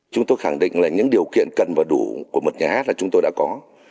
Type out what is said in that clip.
chúng tôi khẳng định là những điều kiện cần và đủ của một nhà hát là chúng tôi đã có